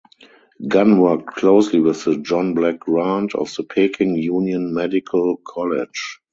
Gunn worked closely with John Black Grant of the Peking Union Medical College.